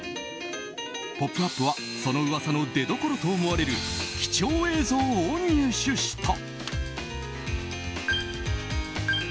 「ポップＵＰ！」はその噂の出どころと思われる貴重映像を入手した。